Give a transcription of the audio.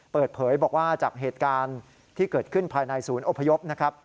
เปิดเผยบอกว่าจากเหตุการณ์ที่เกิดขึ้นภายในศูนย์อพยพนะครับ